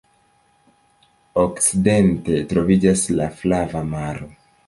Okcidente troviĝas la Flava Maro.